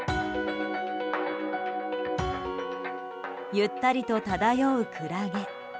ゆったりと漂うクラゲ。